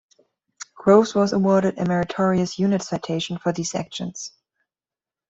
Groves was awarded a Meritorious Unit Citation for these actions.